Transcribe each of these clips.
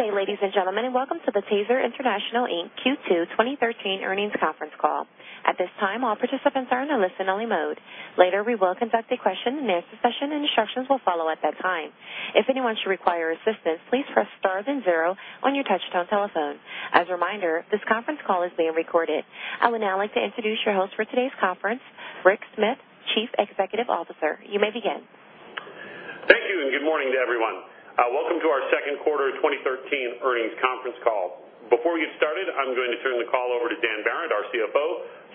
Good day, ladies and gentlemen, welcome to the TASER International Inc. Q2 2013 earnings conference call. At this time, all participants are in a listen-only mode. Later, we will conduct a question-and-answer session, and instructions will follow at that time. If anyone should require assistance, please press star then zero on your touch-tone telephone. As a reminder, this conference call is being recorded. I would now like to introduce your host for today's conference, Rick Smith, Chief Executive Officer. You may begin. Thank you, and good morning to everyone. Welcome to our second quarter 2013 earnings conference call. Before we get started, I'm going to turn the call over to Dan Behrendt, our CFO,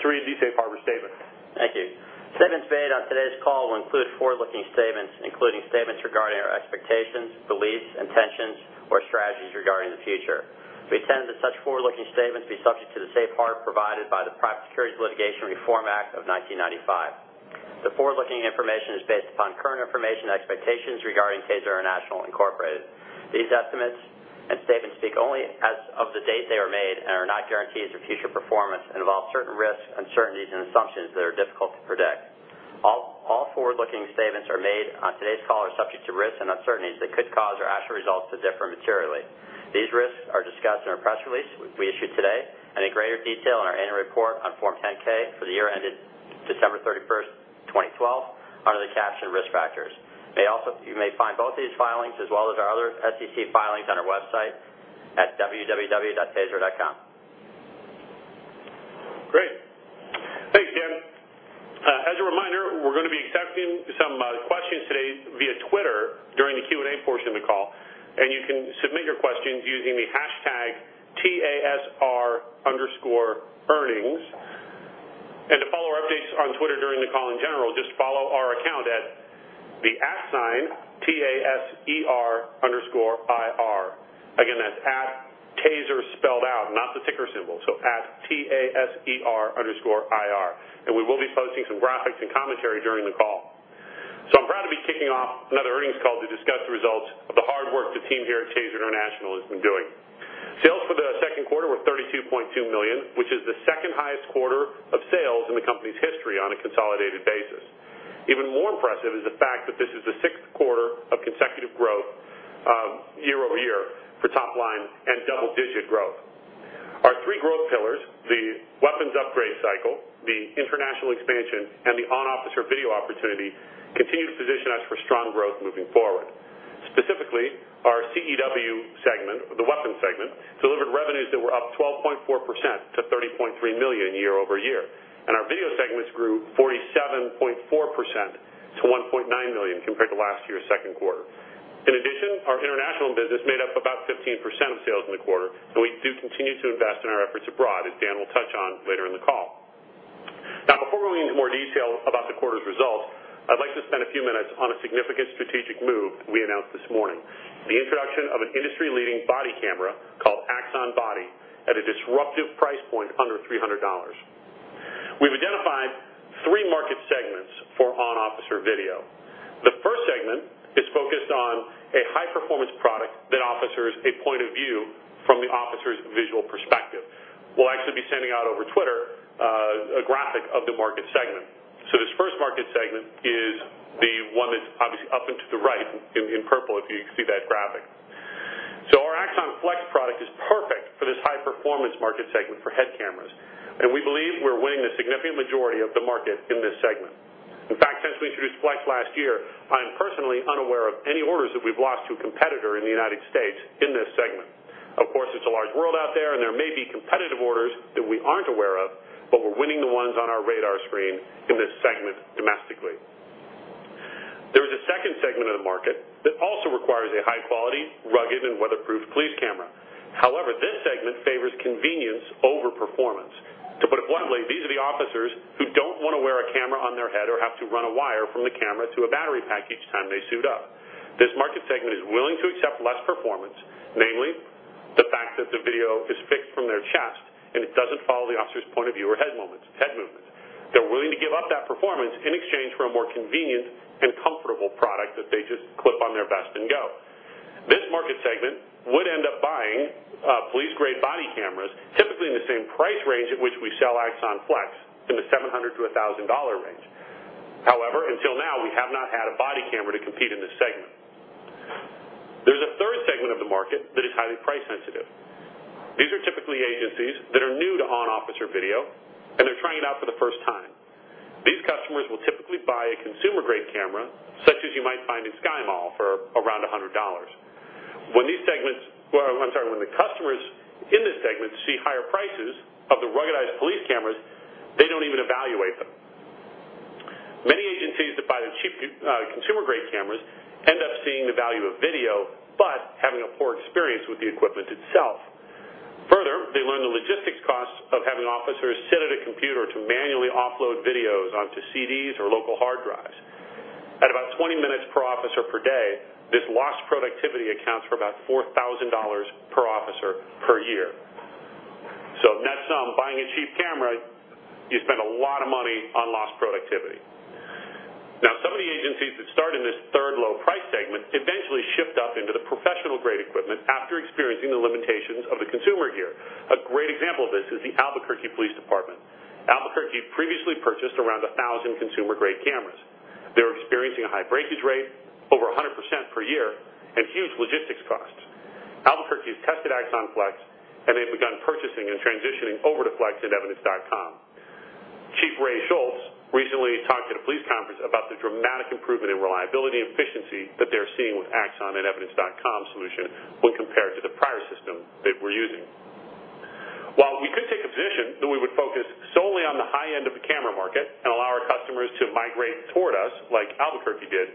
to read the safe harbor statement. Thank you. Statements made on today's call will include forward-looking statements, including statements regarding our expectations, beliefs, intentions, or strategies regarding the future. We intend that such forward-looking statements be subject to the safe harbor provided by the Private Securities Litigation Reform Act of 1995. The forward-looking information is based upon current information and expectations regarding TASER International Incorporated. These estimates and statements speak only as of the date they are made and are not guarantees of future performance and involve certain risks, uncertainties and assumptions that are difficult to predict. All forward-looking statements are made on today's call are subject to risks and uncertainties that could cause our actual results to differ materially. These risks are discussed in our press release we issued today and in greater detail in our annual report on Form 10-K for the year ended December 31st, 2012, under the caption Risk Factors. You may find both these filings as well as our other SEC filings on our website at www.taser.com. Great. Thanks, Dan. As a reminder, we're going to be accepting some questions today via Twitter during the Q&A portion of the call. You can submit your questions using the hashtag TASR_Earnings. To follow updates on Twitter during the call in general, just follow our account at the @ sign TASER_IR. Again, that's at TASER spelled out, not the ticker symbol. @ TASER_IR, we will be posting some graphics and commentary during the call. I'm proud to be kicking off another earnings call to discuss the results of the hard work the team here at TASER International has been doing. Sales for the second quarter were $32.2 million, which is the second highest quarter of sales in the company's history on a consolidated basis. Even more impressive is the fact that this is the sixth quarter of consecutive growth year-over-year for top line and double-digit growth. Our three growth pillars, the weapons upgrade cycle, the international expansion, and the on-officer video opportunity, continue to position us for strong growth moving forward. Specifically, our CEW segment, the weapons segment, delivered revenues that were up 12.4% to $30.3 million year-over-year. Our video segments grew 47.4% to $1.9 million compared to last year's second quarter. In addition, our international business made up about 15% of sales in the quarter. We do continue to invest in our efforts abroad, as Dan will touch on later in the call. Before we go into more detail about the quarter's results, I'd like to spend a few minutes on a significant strategic move that we announced this morning, the introduction of an industry-leading body camera called Axon Body at a disruptive price point under $300. We've identified three market segments for on-officer video. The first segment is focused on a high-performance product that offers a point of view from the officer's visual perspective. We'll actually be sending out over Twitter a graphic of the market segment. This first market segment is the one that's obviously up and to the right in purple, if you see that graphic. Our Axon Flex product is perfect for this high-performance market segment for head cameras. We believe we're winning a significant majority of the market in this segment. In fact, since we introduced Flex last year, I am personally unaware of any orders that we've lost to a competitor in the U.S. in this segment. Of course, it's a large world out there. There may be competitive orders that we aren't aware of. We're winning the ones on our radar screen in this segment domestically. There is a second segment of the market that also requires a high-quality, rugged, and weatherproof police camera. However, this segment favors convenience over performance. To put it bluntly, these are the officers who don't want to wear a camera on their head or have to run a wire from the camera to a battery pack each time they suit up. This market segment is willing to accept less performance, namely the fact that the video is fixed from their chest and it doesn't follow the officer's point of view or head movements. They're willing to give up that performance in exchange for a more convenient and comfortable product that they just clip on their vest and go. This market segment would end up buying police-grade body cameras, typically in the same price range at which we sell Axon Flex, in the $700 to $1,000 range. However, until now, we have not had a body camera to compete in this segment. There's a third segment of the market that is highly price sensitive. These are typically agencies that are new to on-officer video, and they're trying it out for the first time. These customers will typically buy a consumer-grade camera, such as you might find in SkyMall for around $100. When these segments, I'm sorry, when the customers in this segment see higher prices of the ruggedized police cameras, they don't even evaluate them. Many agencies that buy the cheap consumer-grade cameras end up seeing the value of video, but having a poor experience with the equipment itself. Further, they learn the logistics costs of having officers sit at a computer to manually offload videos onto CDs or local hard drives. At about 20 minutes per officer per day, this lost productivity accounts for about $4,000 per officer per year. Net sum, buying a cheap camera, you spend a lot of money on lost productivity. Some of the agencies that start in this third low price segment eventually shift up into the professional-grade equipment after experiencing the limitations of the consumer gear. A great example of this is the Albuquerque Police Department. Albuquerque previously purchased around 1,000 consumer-grade cameras. They were experiencing a high breakage rate over 100% per year and huge logistics costs. Albuquerque has tested Axon Flex, and they've begun purchasing and transitioning over to Flex and Evidence.com. Chief Ray Schultz recently talked at a police conference about the dramatic improvement in reliability and efficiency that they're seeing with Axon and Evidence.com solution when compared to the prior system they were using. We could take a position that we would focus solely on the high end of the camera market and allow our customers to migrate toward us like Albuquerque did,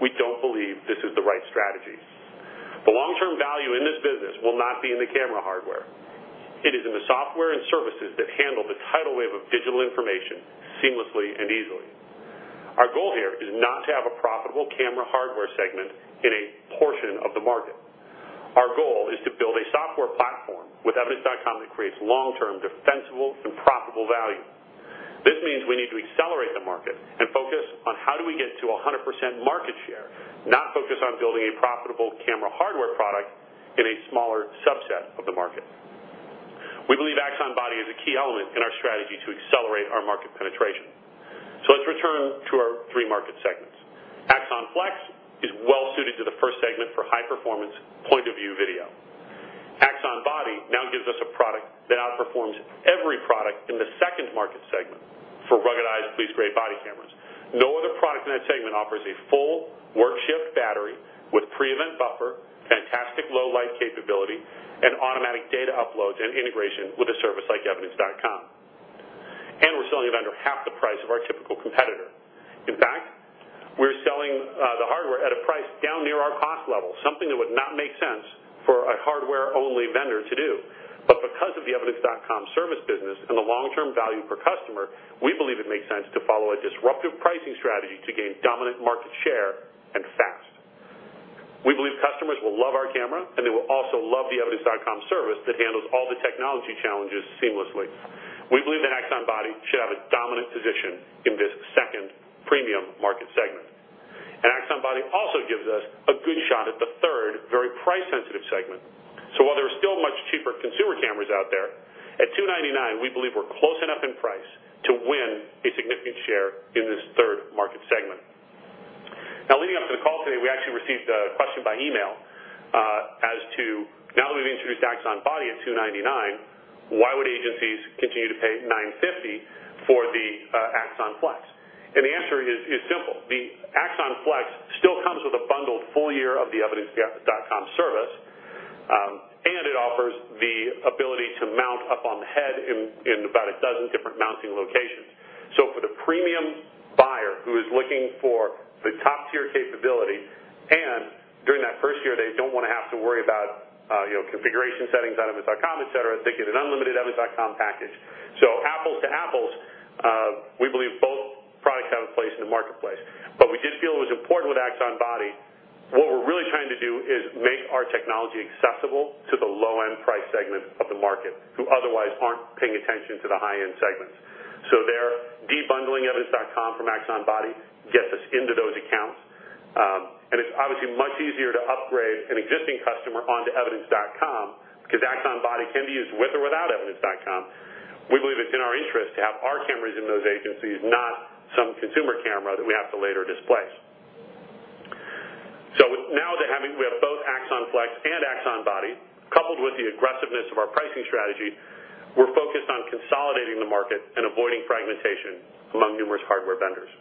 we don't believe this is the right strategy. The long-term value in this business will not be in the camera hardware. It is in the software and services that handle the tidal wave of digital information seamlessly and easily. Our goal here is not to have a profitable camera hardware segment in a portion of the market. Our goal is to build a software platform with Evidence.com that creates long-term defensible and profitable value. This means we need to accelerate the market and focus on how do we get to 100% market share, not focus on building a profitable camera hardware product in a smaller subset of the market. We believe Axon Body is a key element in our strategy to accelerate our market penetration. Let's return to our three market segments. Axon Flex is well-suited to the first segment for high-performance point-of-view video. Axon Body now gives us a product that outperforms every product in the second market segment for ruggedized police-grade body cameras. No other product in that segment offers a full work shift battery with pre-event buffer, fantastic low light capability, and automatic data uploads and integration with a service like Evidence.com. We're selling it under half the price of our typical competitor. In fact, we're selling the hardware at a price down near our cost level, something that would not make sense for a hardware-only vendor to do. Because of the Evidence.com service business and the long-term value per customer, we believe it makes sense to follow a disruptive pricing strategy to gain dominant market share, and fast. We believe customers will love our camera, and they will also love the Evidence.com service that handles all the technology challenges seamlessly. We believe that Axon Body should have a dominant position in this second premium market segment. Axon Body also gives us a good shot at the third very price-sensitive segment. While there are still much cheaper consumer cameras out there, at $299, we believe we're close enough in price to win a significant share in this third market segment. Leading up to the call today, we actually received a question by email as to, now that we've introduced Axon Body at $299, why would agencies continue to pay $950 for the Axon Flex? The answer is simple. The Axon Flex still comes with a bundled full year of the Evidence.com service, and it offers the ability to mount up on the head in about a dozen different mounting locations. For the premium buyer who is looking for the top-tier capability, and during that first year, they don't want to have to worry about configuration settings on Evidence.com, et cetera. They get an unlimited Evidence.com package. Apples to apples, we believe both products have a place in the marketplace. We did feel it was important with Axon Body, what we're really trying to do is make our technology accessible to the low-end price segment of the market, who otherwise aren't paying attention to the high-end segments. There, de-bundling Evidence.com from Axon Body gets us into those accounts. It's obviously much easier to upgrade an existing customer onto Evidence.com because Axon Body can be used with or without Evidence.com. We believe it's in our interest to have our cameras in those agencies, not some consumer camera that we have to later displace. Now that we have both Axon Flex and Axon Body, coupled with the aggressiveness of our pricing strategy, we're focused on consolidating the market and avoiding fragmentation among numerous hardware vendors.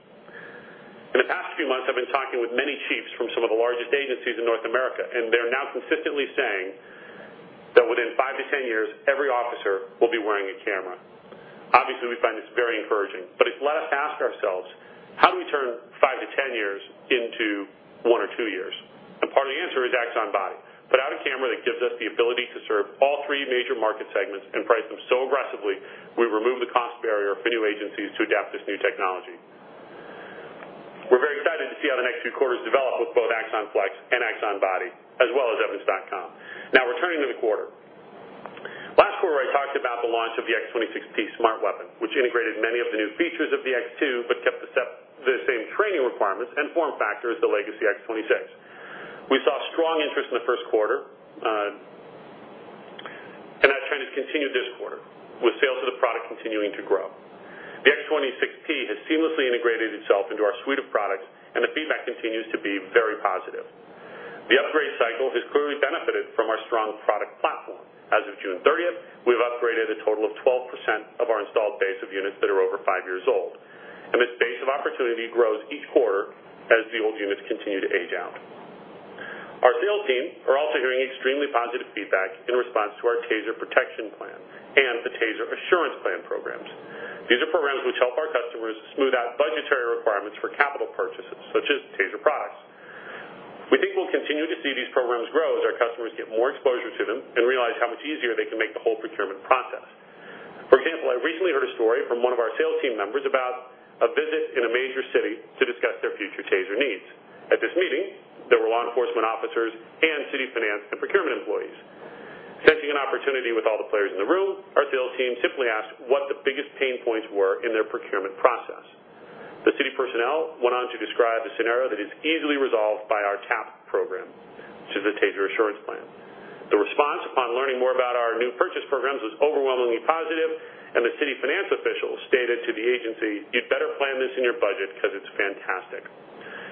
In the past few months, I've been talking with many chiefs from some of the largest agencies in North America, and they're now consistently saying that within 5 to 10 years, every officer will be wearing a camera. Obviously, we find this very encouraging, but it's let us ask ourselves, how do we turn 5 to 10 years into 1 or 2 years? Part of the answer is Axon Body. Put out a camera that gives us the ability to serve all 3 major market segments and price them so aggressively, we remove the cost barrier for new agencies to adapt this new technology. We're very excited to see how the next few quarters develop with both Axon Flex and Axon Body, as well as Evidence.com. Returning to the quarter. Last quarter, I talked about the launch of the X26P Smart Weapon, which integrated many of the new features of the X2, kept the same training requirements and form factor as the legacy X26. We saw strong interest in the first quarter, that trend has continued this quarter, with sales of the product continuing to grow. The X26P has seamlessly integrated itself into our suite of products, the feedback continues to be very positive. The upgrade cycle has clearly benefited from our strong product platform. As of June 30th, we have upgraded a total of 12% of our installed base of units that are over five years old, this base of opportunity grows each quarter as the old units continue to age out. Our sales team are also hearing extremely positive feedback in response to our TASER Protection Plan and the TASER Assurance Plan programs. These are programs which help our customers smooth out budgetary requirements for capital purchases, such as TASER products. We think we'll continue to see these programs grow as our customers get more exposure to them and realize how much easier they can make the whole procurement process. For example, I recently heard a story from one of our sales team members about a visit in a major city to discuss their future TASER needs. At this meeting, there were law enforcement officers and city finance and procurement employees. Sensing an opportunity with all the players in the room, our sales team simply asked what the biggest pain points were in their procurement process. The city personnel went on to describe a scenario that is easily resolved by our TAP program, the TASER Assurance Plan. The response upon learning more about our new purchase programs was overwhelmingly positive, the city finance officials stated to the agency, "You'd better plan this in your budget because it's fantastic."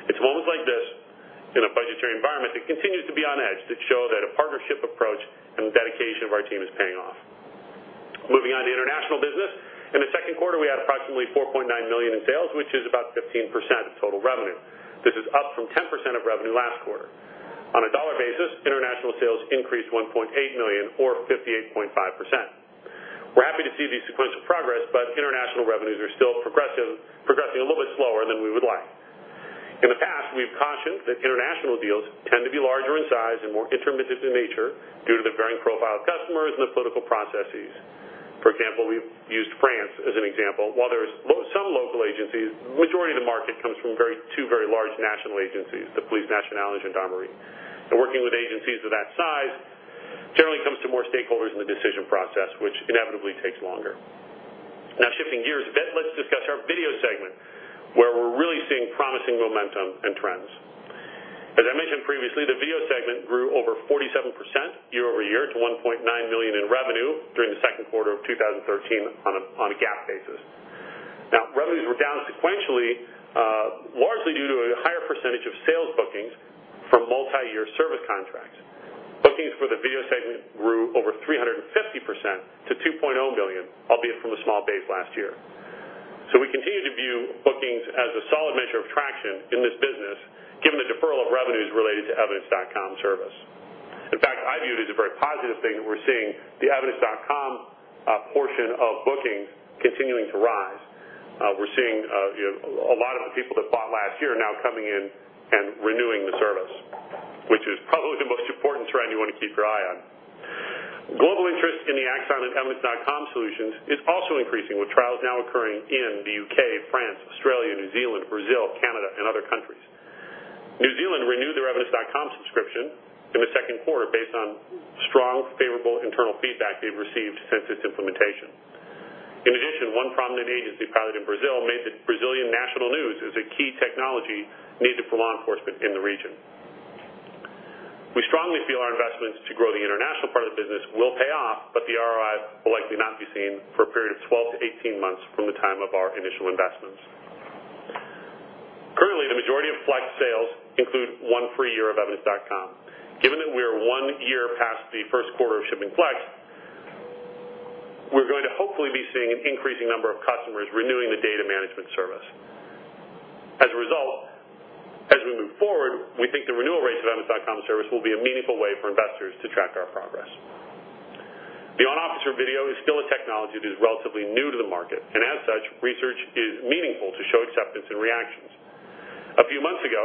It's moments like this, in a budgetary environment that continues to be on edge, that show that a partnership approach and the dedication of our team is paying off. Moving on to international business. In the second quarter, we had approximately $4.9 million in sales, which is about 15% of total revenue. This is up from 10% of revenue last quarter. On a dollar basis, international sales increased $1.8 million or 58.5%. We're happy to see the sequential progress, international revenues are still progressing a little bit slower than we would like. In the past, we've cautioned that international deals tend to be larger in size and more intermittent in nature due to the varying profile of customers and the political processes. For example, we've used France as an example. While there's some local agencies, the majority of the market comes from two very large national agencies, the Police nationale and Gendarmerie. Working with agencies of that size generally comes to more stakeholders in the decision process, which inevitably takes longer. Now shifting gears, let's discuss our video segment, where we're really seeing promising momentum and trends. As I mentioned previously, the video segment grew over 47% year-over-year to $1.9 million in revenue during the second quarter of 2013 on a GAAP basis. Now, revenues were down sequentially, largely due to a higher percentage of sales bookings from multi-year service contracts. Bookings for the video segment grew over 350% to $2.0 million, albeit from a small base last year. We continue to view bookings as a solid measure of traction in this business, given the deferral of revenues related to Evidence.com service. In fact, I view it as a very positive thing that we're seeing the Evidence.com portion of bookings continuing to rise. We're seeing a lot of the people that bought last year now coming in and renewing the service, which is probably the most important trend you want to keep your eye on. Global interest in the Axon and Evidence.com solutions is also increasing, with trials now occurring in the U.K., France, Australia, New Zealand, Brazil, Canada, and other countries. New Zealand renewed their Evidence.com subscription in the second quarter based on strong, favorable internal feedback they've received since its implementation. In addition, one prominent agency pilot in Brazil made the Brazilian national news as a key technology needed for law enforcement in the region. We strongly feel our investments to grow the international part of the business will pay off, but the ROI will likely not be seen for a period of 12 to 18 months from the time of our initial investments. Currently, the majority of Flex sales include one free year of Evidence.com. Given that we are one year past the first quarter of shipping Flex, we're going to hopefully be seeing an increasing number of customers renewing the data management service. As a result, as we move forward, we think the renewal rates of Evidence.com service will be a meaningful way for investors to track our progress. The on-officer video is still a technology that is relatively new to the market, and as such, research is meaningful to show acceptance and reactions. A few months ago,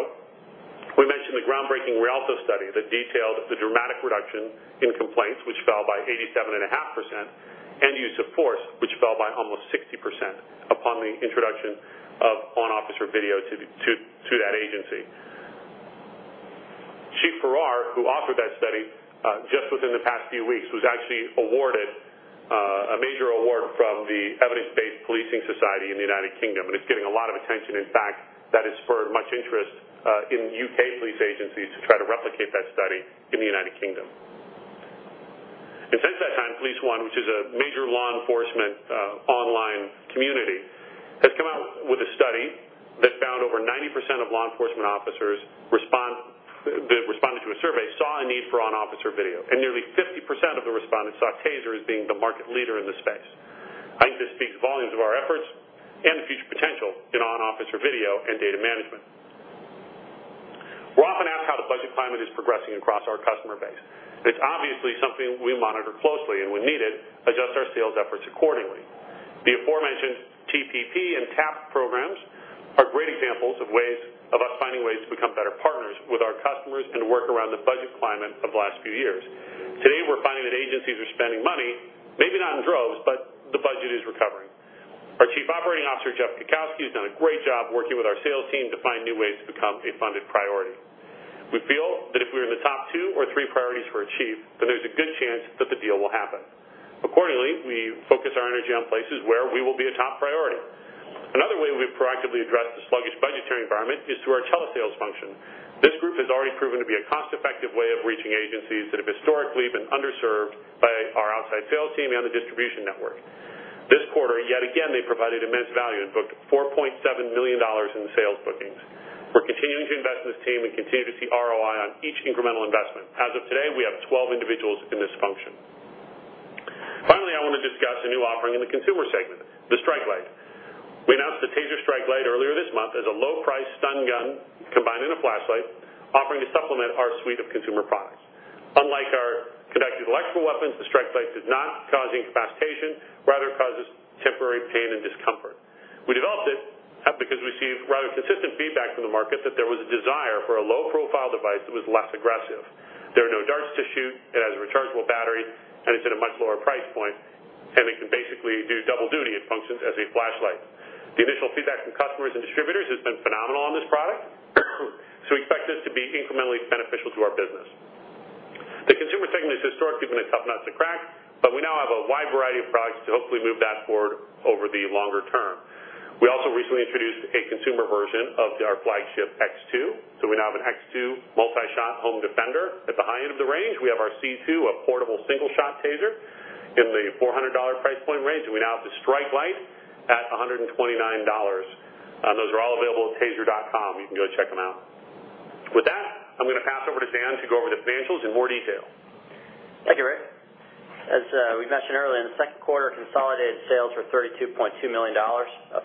we mentioned the groundbreaking Rialto study that detailed the dramatic reduction in complaints, which fell by 87.5%, and use of force, which fell by almost 60% upon the introduction of on-officer video to that agency. Chief Farrar, who authored that study, just within the past few weeks, was actually awarded a major award from the Society of Evidence Based Policing in the U.K., and it's getting a lot of attention. In fact, that has spurred much interest in U.K. police agencies to try to replicate that study in the U.K. Since that time, PoliceOne, which is a major law enforcement online community, has come out with a study that found over 90% of law enforcement officers that responded to a survey saw a need for on-officer video, and nearly 50% of the respondents saw TASER as being the market leader in the space. I think this speaks volumes of our efforts and the future potential in on-officer video and data management. We're often asked how the budget climate is progressing across our customer base. It's obviously something we monitor closely, and when needed, adjust our sales efforts accordingly. The aforementioned TPP and TAP programs are great examples of us finding ways to become better partners with our customers and work around the budget climate of the last few years. Today, we're finding that agencies are spending money, maybe not in droves, but the budget is recovering. Our Chief Operating Officer, Jeff Kukowski, has done a great job working with our sales team to find new ways to become a funded priority. We feel that if we are the top two or three priorities for a chief, then there's a good chance that the deal will happen. Accordingly, we focus our energy on places where we will be a top priority. Another way we've proactively addressed the sluggish budgetary environment is through our telesales function. This group has already proven to be a cost-effective way of reaching agencies that have historically been underserved by our outside sales team and the distribution network. This quarter, yet again, they provided immense value and booked $4.7 million in sales bookings. We're continuing to invest in this team and continue to see ROI on each incremental investment. As of today, we have 12 individuals in this function. I want to discuss a new offering in the consumer segment, the StrikeLight. We announced the TASER StrikeLight earlier this month as a low-price stun gun combined in a flashlight, offering to supplement our suite of consumer products. Unlike our conducted electrical weapons, the StrikeLight does not cause incapacitation, rather it causes temporary pain and discomfort. We developed it because we see rather consistent feedback from the market that there was a desire for a low-profile device that was less aggressive. There are no darts to shoot, it has a rechargeable battery, it's at a much lower price point, and it can basically do double duty. It functions as a flashlight. The initial feedback from customers and distributors has been phenomenal on this product, so we expect this to be incrementally beneficial to our business. The segment has historically been a tough nut to crack, but we now have a wide variety of products to hopefully move that forward over the longer term. We also recently introduced a consumer version of our flagship X2, so we now have an X2 multi-shot home defender. At the high end of the range, we have our C2, a portable single shot taser. In the $400 price point range, we now have the StrikeLight at $129. Those are all available at taser.com. You can go check them out. With that, I'm going to pass over to Dan to go over the financials in more detail. Thank you, Rick. As we mentioned earlier, in the second quarter, consolidated sales were $32.2 million, a 14%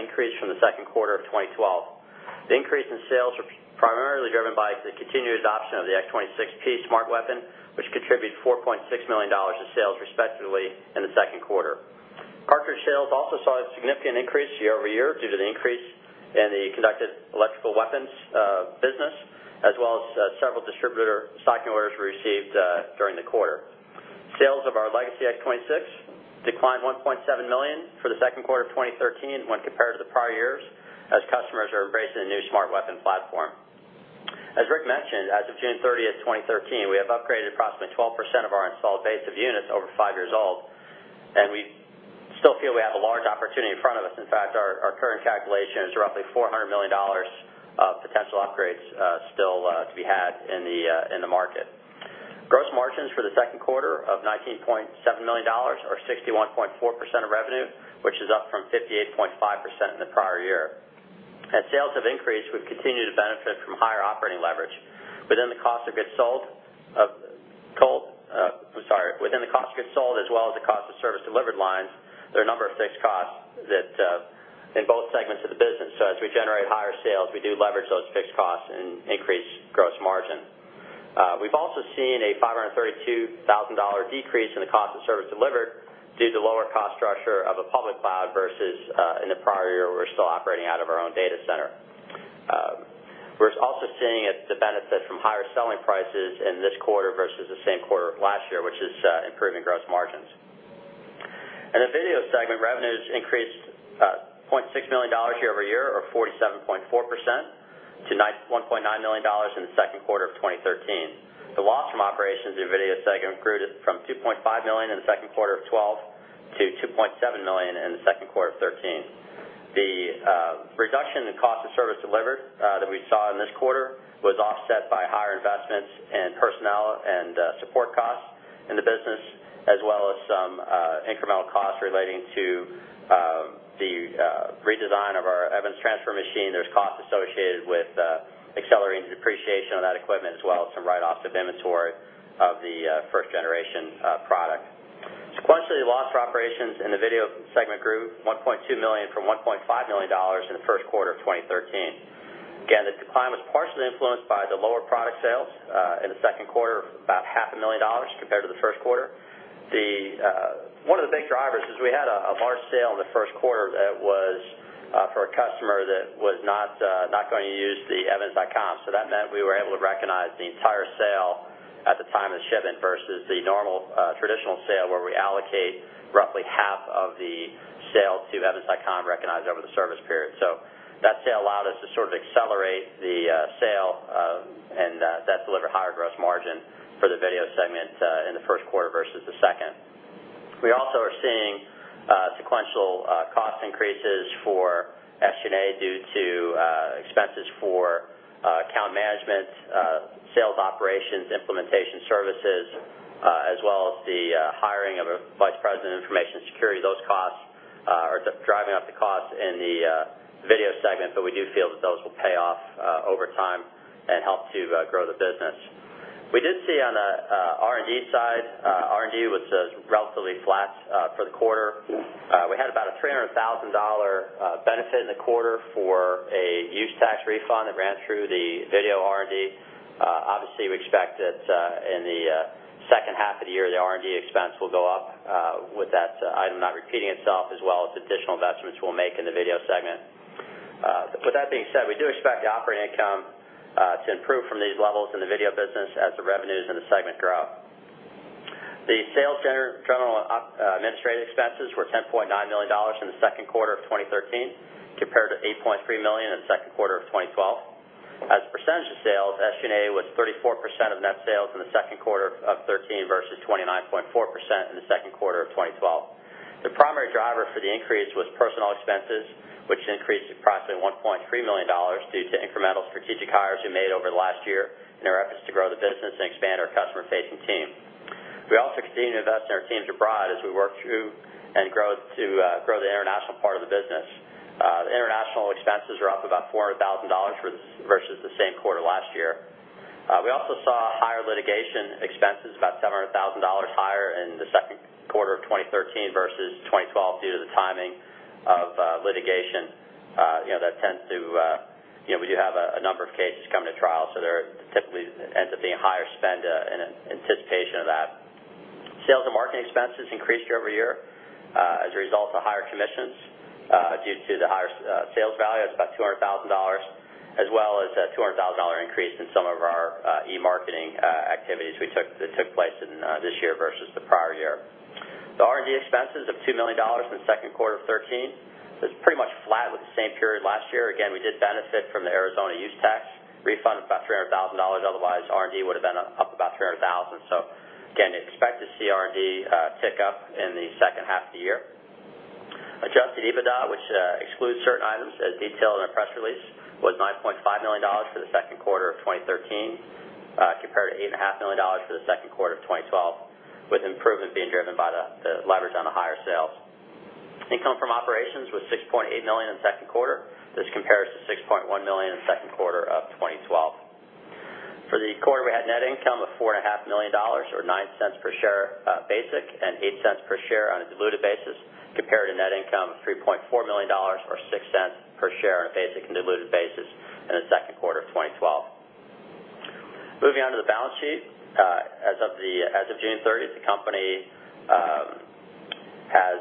increase from the second quarter of 2012. The increase in sales were primarily driven by the continued adoption of the X26P Smart Weapon, which contributed $4.6 million to sales respectively in the second quarter. Cartridge sales also saw a significant increase year-over-year due to the increase in the conducted electrical weapons business, as well as several distributor stocking orders we received during the quarter. Sales of our legacy X26 declined $1.7 million for the second quarter of 2013 when compared to the prior years, as customers are embracing the new Smart Weapon platform. As Rick mentioned, as of June 30th, 2013, we have upgraded approximately 12% of our installed base of units over five years old, and we still feel we have a large opportunity in front of us. In fact, our current calculation is roughly $400 million of potential upgrades still to be had in the market. Gross margins for the second quarter of $19.7 million or 61.4% of revenue, which is up from 58.5% in the prior year. As sales have increased, we've continued to benefit from higher operating leverage within the cost of goods sold, as well as the cost of service delivered lines. There are a number of fixed costs that, in both segments of the business. As we generate higher sales, we do leverage those fixed costs and increase gross margin. We've also seen a $532,000 decrease in the cost of service delivered due to lower cost structure of a public cloud versus, in the prior year, we were still operating out of our own data center. We're also seeing the benefit from higher selling prices in this quarter versus the same quarter of last year, which is improving gross margins. In the video segment, revenues increased $0.6 million year-over-year or 47.4% to $1.9 million in the second quarter of 2013. The loss from operations in video segment grew from $2.5 million in the second quarter of 2012 to $2.7 million in the second quarter of 2013. The reduction in cost of service delivered that we saw in this quarter was offset by higher investments in personnel and support costs in the business, as well as some incremental costs relating to the redesign of our evidence transfer machine. There are costs associated with accelerating the depreciation of that equipment, as well as some write-offs of inventory of the first generation product. Sequentially, loss from operations in the video segment grew $1.2 million from $1.5 million in the first quarter of 2013. Again, the decline was partially influenced by the lower product sales in the second quarter of about half a million dollars compared to the first quarter. One of the big drivers is we had a large sale in the first quarter that was for a customer that was not going to use Evidence.com. That meant we were able to recognize the entire sale at the time of the shipment versus the normal traditional sale, where we allocate roughly half of the sale to Evidence.com recognized over the service period. That sale allowed us to sort of accelerate the sale, and that delivered higher gross margin for the video segment in the first quarter versus the second. We also are seeing sequential cost increases for SG&A due to expenses for account management, sales operations, implementation services, as well as the hiring of a Vice President of Information Security. Those costs are driving up the cost in the video segment, but we do feel that those will pay off over time and help to grow the business. We did see on the R&D side, R&D was relatively flat for the quarter. We had about a $300,000 benefit in the quarter for a use tax refund that ran through the video R&D. Obviously, we expect that in the second half of the year, the R&D expense will go up with that item not repeating itself, as well as additional investments we'll make in the video segment. With that being said, we do expect operating income to improve from these levels in the video business as the revenues in the segment grow. The sales general administrative expenses were $10.9 million in the second quarter of 2013 compared to $8.3 million in the second quarter of 2012. As a percentage of sales, SG&A was 34% of net sales in the second quarter of 2013 versus 29.4% in the second quarter of 2012. The primary driver for the increase was personnel expenses, which increased approximately $1.3 million due to incremental strategic hires we made over the last year in our efforts to grow the business and expand our customer-facing team. We also continue to invest in our teams abroad as we work through and grow the international part of the business. The international expenses are up about $400,000 versus the same quarter last year. We also saw higher litigation expenses, about $700,000 higher in the second quarter of 2013 versus 2012 due to the timing of litigation. We do have a number of cases coming to trial, there typically ends up being higher spend in anticipation of that. Sales and marketing expenses increased year-over-year as a result of higher commissions due to the higher sales value. That's about $200,000, as well as a $200,000 increase in some of our e-marketing activities that took place this year versus the prior year. The R&D expenses of $2 million in the second quarter of 2013 was pretty much flat with the same period last year. Again, we did benefit from the Arizona use tax refund of about $300,000. Otherwise, R&D would've been up about $300,000. Again, you expect to see R&D tick up in the second half of the year. Adjusted EBITDA, which excludes certain items, as detailed in our press release, was $9.5 million for the second quarter of 2013, compared to $8.5 million for the second quarter of 2012, with improvement being driven by the leverage on the higher sales. Income from operations was $6.8 million in the second quarter. This compares to $6.1 million in the second quarter of 2012. For the quarter, we had net income of $4.5 million, or $0.09 per share basic and $0.08 per share on a diluted basis, compared to net income of $3.4 million or $0.06 per share on a basic and diluted basis in the second quarter of 2012. Moving on to the balance sheet. As of June 30th, the company has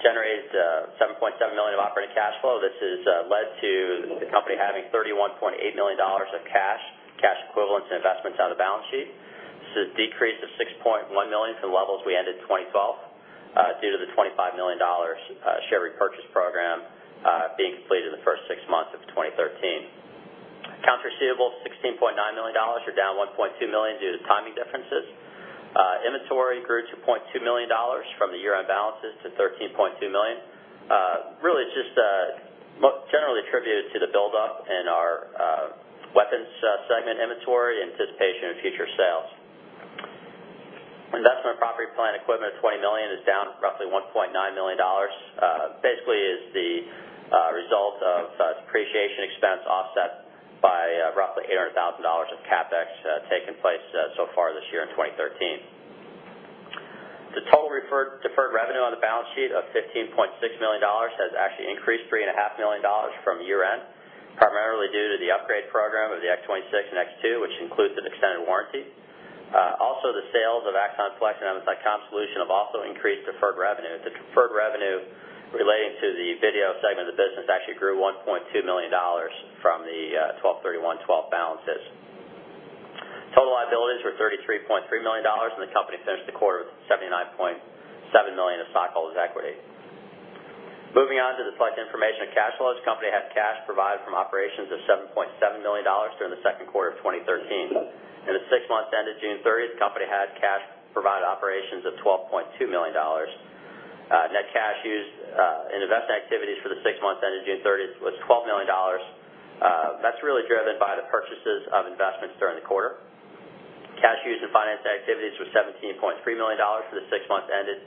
generated $7.7 million of operating cash flow. This has led to the company having $31.8 million of cash equivalents, and investments on the balance sheet. This is a decrease of $6.1 million from the levels we had in 2012 due to the $25 million share repurchase program being completed in the first six months of 2013. Accounts receivable is $16.9 million or down $1.2 million due to timing differences. Inventory grew to $2.2 million from the year-end balances to $13.2 million. It's just generally attributed to the buildup in our weapons segment inventory in anticipation of future sales. Investment in property, plant, and equipment of $20 million is down roughly $1.9 million. It is the result of depreciation expense offset by roughly $800,000 of CapEx taking place so far this year in 2013. The total deferred revenue on the balance sheet of $15.6 million has actually increased $3.5 million from year-end, primarily due to the upgrade program of the TASER X26 and TASER X2, which includes an extended warranty. Also, the sales of Axon Flex and Evidence.com solution have also increased deferred revenue. The deferred revenue relating to the video segment of the business actually grew $1.2 million from the 12/31/2012 balances. Total liabilities were $33.3 million, and the company finished the quarter with $79.7 million of stockholders' equity. Moving on to the select information of cash flows. The company had cash provided from operations of $7.7 million during the second quarter of 2013. In the six months ended June 30th, the company had cash provided by operations of $12.2 million. That's really driven by the purchases of investments during the quarter. Cash used in financing activities was $17.3 million for the six months ended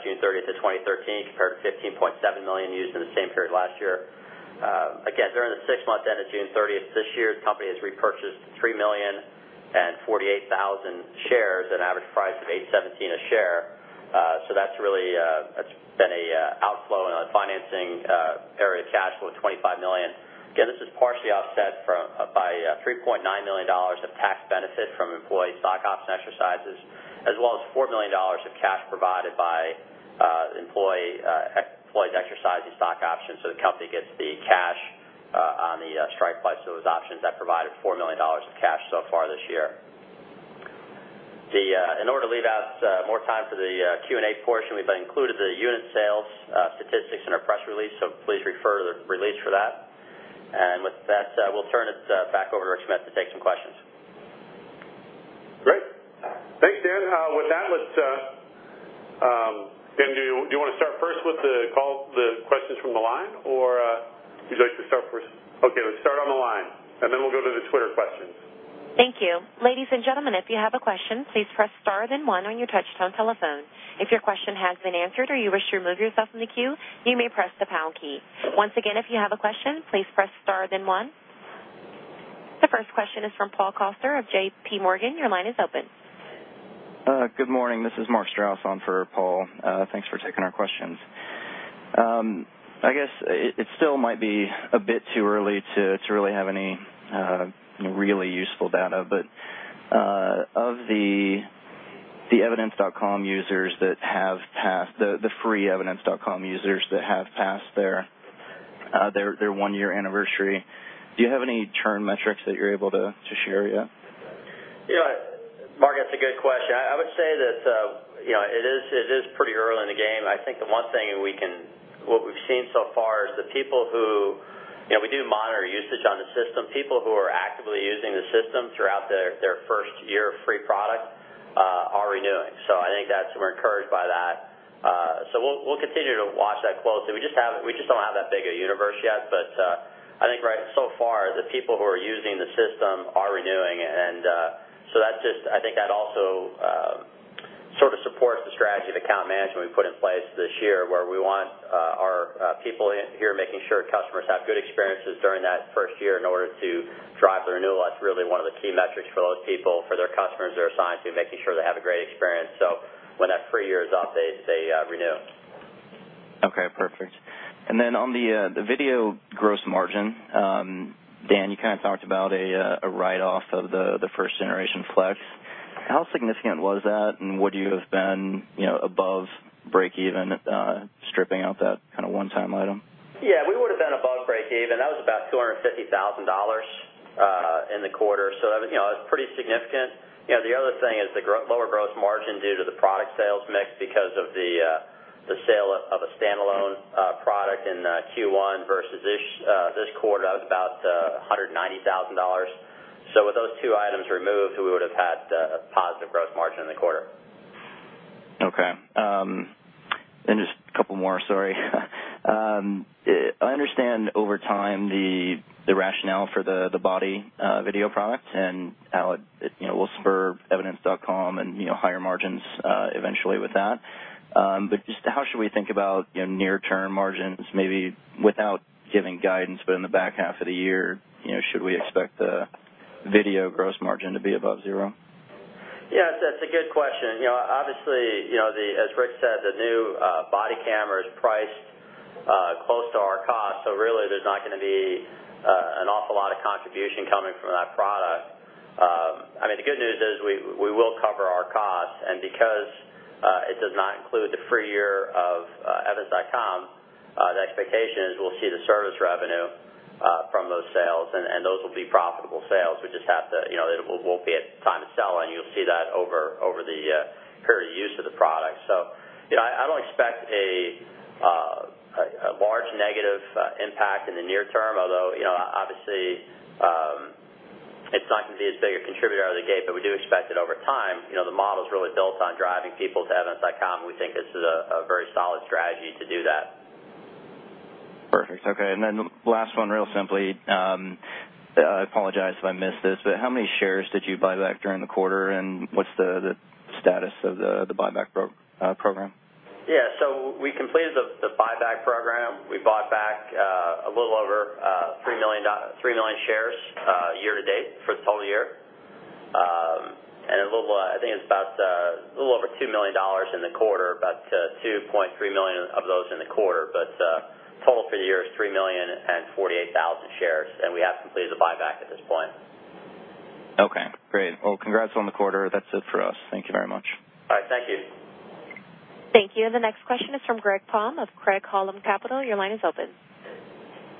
June 30th of 2013, compared to $15.7 million used in the same period last year. Again, during the six months ended June 30th this year, the company has repurchased 3,048,000 shares at an average price of $8.17 a share. That's really been an outflow in the financing area of cash flow of $25 million. Again, this is partially offset by $3.9 million of tax benefit from employee stock option exercises, as well as $4 million of cash provided by employees exercising stock options. The company gets the cash on the strike price of those options that provided $4 million of cash so far this year. In order to leave out more time for the Q&A portion, we've included the unit sales statistics in our press release, please refer to the release for that. With that, we'll turn it back over to Rick Smith to take some questions. Great. Thanks, Dan. With that, Dan, do you want to start first with the questions from the line? Or would you like to start first? Okay, let's start on the line, then we'll go to the Twitter questions. Thank you. Ladies and gentlemen, if you have a question, please press star then one on your touch-tone telephone. If your question has been answered or you wish to remove yourself from the queue, you may press the pound key. Once again, if you have a question, please press star then one. The first question is from Paul Coster of JPMorgan. Your line is open. Good morning. This is Mark Strouse on for Paul. Thanks for taking our questions. I guess it still might be a bit too early to really have any really useful data, but of the free Evidence.com users that have passed their one-year anniversary, do you have any churn metrics that you're able to share yet? Mark, that's a good question. I would say that it is pretty early in the game. I think the one thing we've seen so far is the people who-- We do monitor usage on the system. People who are actively using the system throughout their first year of free product are renewing. I think we're encouraged by that. We'll continue to watch that closely. We just don't have that big a universe yet. I think so far, the people who are using the system are renewing. I think that also sort of supports the strategy of account management we put in place this year, where we want our people here making sure customers have good experiences during that first year in order to drive the renewal. That's really one of the key metrics for those people, for their customers they're assigned to, making sure they have a great experience. When that free year is up, they renew. Okay, perfect. Then on the video gross margin, Dan, you kind of talked about a write-off of the first generation Axon Flex. How significant was that, and would you have been above breakeven, stripping out that one-time item? Yeah. We would've been above breakeven. That was about $250,000 in the quarter. It was pretty significant. The other thing is the lower gross margin due to the product sales mix because of the sale of a standalone product in Q1 versus this quarter, that was about $190,000. With those two items removed, we would've had a positive gross margin in the quarter. Okay. Just a couple more, sorry. I understand over time the rationale for the body video product and how it will spur Evidence.com and higher margins eventually with that. Just how should we think about near-term margins, maybe without giving guidance, but in the back half of the year, should we expect the video gross margin to be above zero? Yeah, that's a good question. Obviously, as Rick said, the new body camera is priced close to our cost. Really, there's not going to be an awful lot of contribution coming from that product. The good news is we will cover our costs, and because it does not include the free year of Evidence.com, the expectation is we'll see the service revenue from those sales, and those will be profitable sales. It won't be at time of sale, and you'll see that over the period of use of the product. I don't expect a large negative impact in the near term, although, obviously, it's not going to be as big a contributor out of the gate, but we do expect it over time. The model's really built on driving people to Evidence.com, and we think this is a very solid strategy to do that. Perfect. Okay, last one, real simply. I apologize if I missed this, how many shares did you buy back during the quarter, and what's the status of the buyback program? Yeah. We completed the buyback program. We bought back a little over 3 million shares year-to-date for the total of the year. I think it's about a little over $2 million in the quarter, about $2.3 million of those in the quarter. Total for the year is 3,048,000 shares, and we have completed the buyback at this point. Okay, great. Well, congrats on the quarter. That's it for us. Thank you very much. All right. Thank you. Thank you. The next question is from Greg Palm of Craig-Hallum Capital. Your line is open.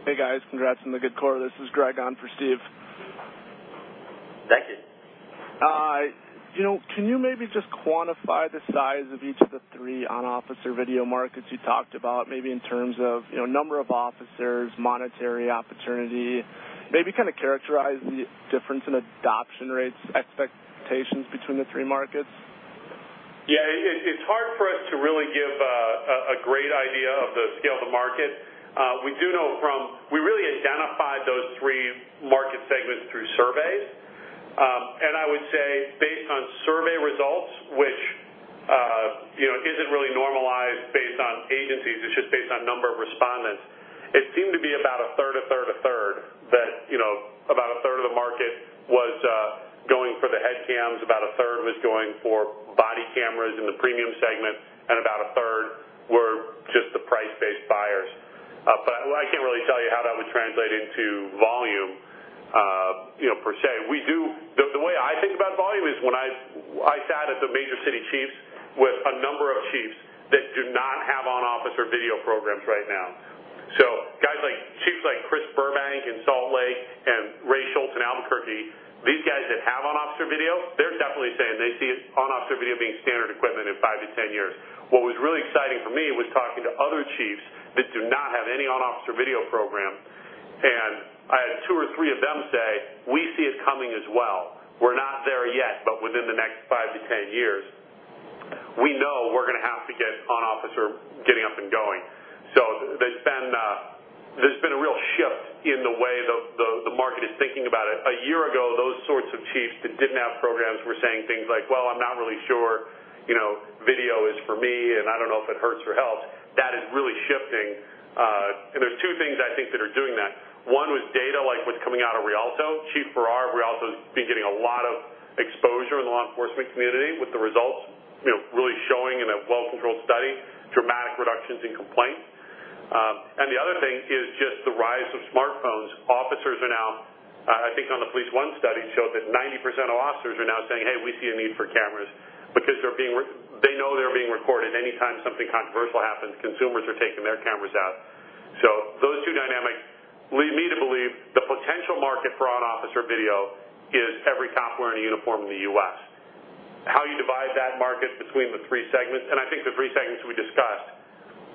Hey, guys. Congrats on the good quarter. This is Greg on for Steve. Thank you. Can you maybe just quantify the size of each of the three on-officer video markets you talked about, maybe in terms of number of officers, monetary opportunity, maybe kind of characterize the difference in adoption rates, expectations between the three markets? It's hard for us to really give a great idea of the scale of the market. We really identified those three market segments through surveys. I would say based on survey results, which isn't really normalized based on agencies, it's just based on number of respondents, it seemed to be about a third, a third, a third. About a third of the market was going for the head cams, about a third was going for body cameras in the premium segment, and about a third were just the price-based buyers. I can't really tell you how that would translate into volume per se. The way I think about volume is when I sat at the Major Cities Chiefs with a number of chiefs that do not have on-officer video programs right now. Chiefs like Chris Burbank in Salt Lake, and Ray Schultz in Albuquerque, these guys that have on-officer video, they're definitely saying they see on-officer video being standard equipment in 5 to 10 years. What was really exciting for me was talking to other chiefs that do not have any on-officer video program, and I had two or three of them say, "We see it coming as well. We're not there yet, within the next 5 to 10 years, we know we're going to have to get on-officer getting up and going." There's been a real shift in the way the market is thinking about it. A year ago, those sorts of chiefs that didn't have programs were saying things like, "Well, I'm not really sure video is for me, and I don't know if it hurts or helps." That is really shifting. There's two things I think that are doing that. One was data like what's coming out of Rialto. Chief Farrar of Rialto's been getting a lot of exposure in the law enforcement community with the results really showing in a well-controlled study, dramatic reductions in complaints. The other thing is just the rise of smartphones. Officers are now, I think on the PoliceOne study, showed that 90% of officers are now saying, "Hey, we see a need for cameras," because they know they're being recorded. Anytime something controversial happens, consumers are taking their cameras out. Those two dynamics lead me to believe the potential market for on-officer video is every cop wearing a uniform in the U.S. How you divide that market between the three segments, and I think the three segments we discussed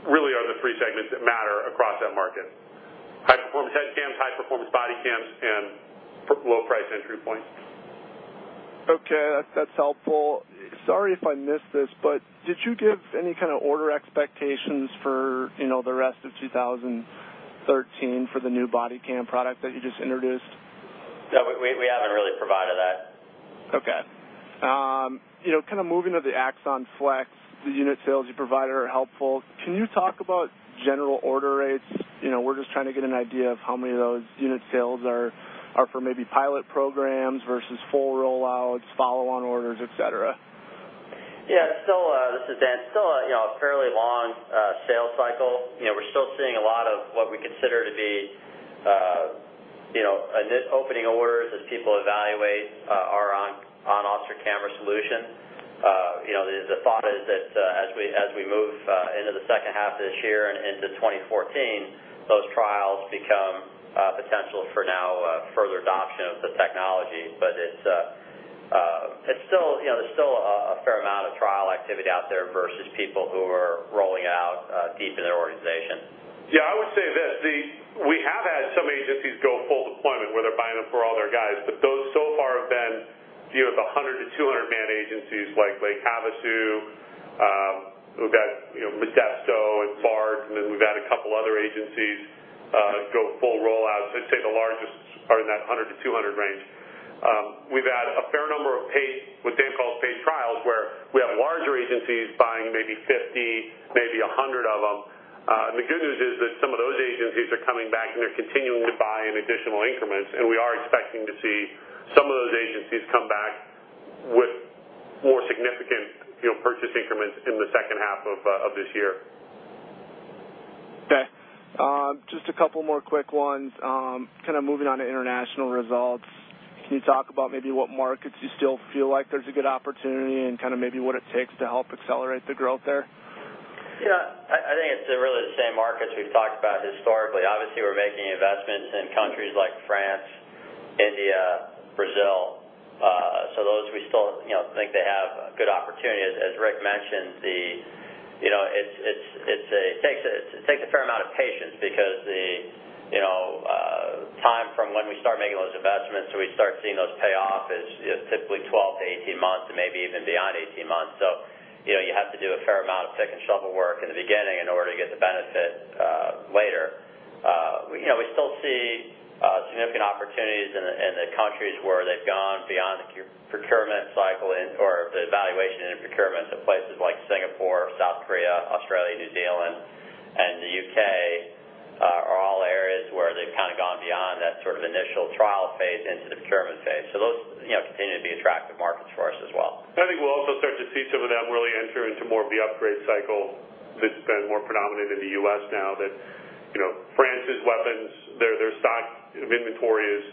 really are the three segments that matter across that market. High performance head cams, high performance body cams, and low price entry points. Okay. That's helpful. Sorry if I missed this, but did you give any kind of order expectations for the rest of 2013 for the new body cam product that you just introduced? No, we haven't really provided that. Okay. Kind of moving to the Axon Flex, the unit sales you provided are helpful. Can you talk about general order rates? We're just trying to get an idea of how many of those unit sales are for maybe pilot programs versus full roll-outs, follow-on orders, et cetera. Yeah. This is Dan. Still a fairly long sales cycle. We're still seeing a lot of what we consider to be opening orders as people evaluate our on-officer camera solution. The thought is that as we move into the second half of this year and into 2014, those trials become potential for now further adoption of the technology. There's still a fair amount of trial activity out there versus people who are rolling out deep in their organization. I would say this. We have had some agencies go full deployment, where they're buying them for all their guys, but those so far have been 100 to 200-man agencies like Lake Havasu. We've got Modesto and Bard, then we've had a couple other agencies go full rollout. I'd say the largest are in that 100 to 200 range. We've had a fair number of what Dan calls paid trials, where we have larger agencies buying maybe 50, maybe 100 of them. The good news is that some of those agencies are coming back, and they're continuing to buy in additional increments, and we are expecting to see some of those agencies come back with more significant purchase increments in the second half of this year. Just a couple more quick ones, moving on to international results. Can you talk about maybe what markets you still feel like there's a good opportunity, and maybe what it takes to help accelerate the growth there? I think it's really the same markets we've talked about historically. Obviously, we're making investments in countries like France, India, Brazil. Those we still think they have good opportunity. As Rick mentioned, it takes a fair amount of patience because the time from when we start making those investments till we start seeing those pay off is typically 12 to 18 months and maybe even beyond 18 months. You have to do a fair amount of pick and shovel work in the beginning in order to get the benefit later. We still see significant opportunities in the countries where they've gone beyond the procurement cycle, or the evaluation and procurement to places like Singapore, South Korea, Australia, New Zealand, and the U.K., are all areas where they've gone beyond that sort of initial trial phase into the procurement phase. Those continue to be attractive markets for us as well. I think we'll also start to see some of them really enter into more of the upgrade cycle that's been more predominant in the U.S. now that France's weapons, their stock inventory is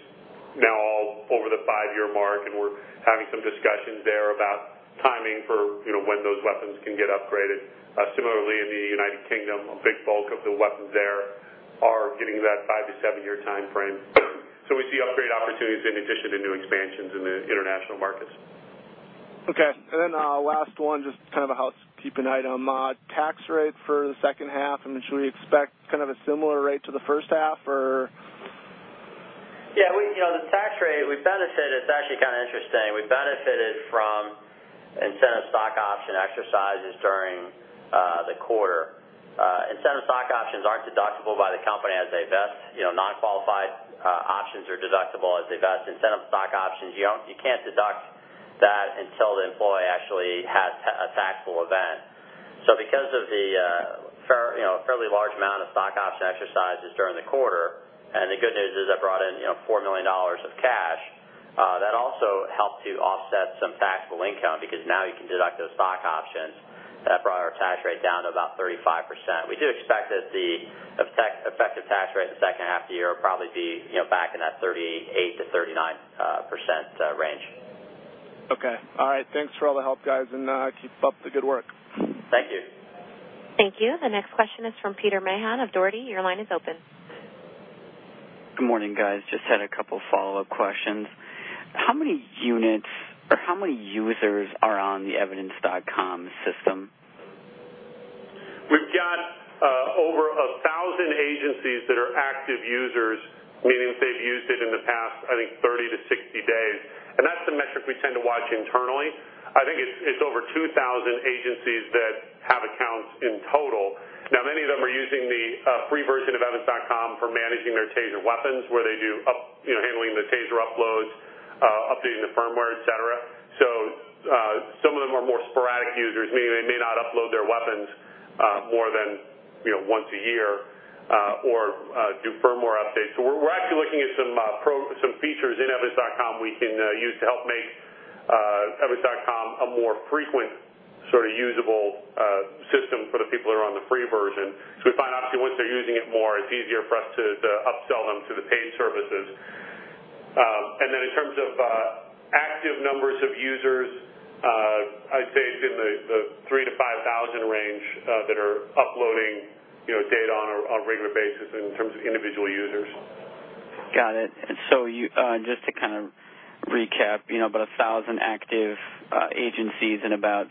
now all over the five-year mark. We're having some discussions there about timing for when those weapons can get upgraded. Similarly, in the United Kingdom, a big bulk of the weapons there are getting to that five to seven year timeframe. We see upgrade opportunities in addition to new expansions in the international markets. Okay. Last one, just kind of a housekeeping item. Tax rate for the second half, should we expect kind of a similar rate to the first half or? Yeah. The tax rate, it's actually kind of interesting. We benefited from incentive stock option exercises during the quarter. Incentive stock options aren't deductible by the company as they vest. Non-qualified options are deductible as they vest. Incentive stock options, you can't deduct that until the employee actually has a taxable event. Because of the fairly large amount of stock option exercises during the quarter, the good news is that brought in $4 million of cash, that also helped to offset some taxable income because now you can deduct those stock options. That brought our tax rate down to about 35%. We do expect that the effective tax rate in the second half of the year will probably be back in that 38%-39% range. Okay. All right. Thanks for all the help, guys. Keep up the good work. Thank you. Thank you. The next question is from Peter Mahon of Dougherty. Your line is open. Good morning, guys. Just had a couple follow-up questions. How many units, or how many users are on the Evidence.com system? We've got over 1,000 agencies that are active users, meaning they've used it in the past, I think, 30 to 60 days. That's the metric we tend to watch internally. I think it's over 2,000 agencies that have accounts in total. Many of them are using the free version of Evidence.com for managing their TASER weapons, where they do handling the TASER uploads, updating the firmware, et cetera. Some of them are more sporadic users, meaning they may not upload their weapons more than once a year, or do firmware updates. We're actually looking at some features in Evidence.com we can use to help make Evidence.com a more frequent, sort of usable system for the people that are on the free version. We find, obviously, once they're using it more, it's easier for us to upsell them to the paid services. In terms of active numbers of users, I'd say it's in the 3,000 to 5,000 range, that are uploading data on a regular basis in terms of individual users. Got it. Just to kind of recap, about 1,000 active agencies and about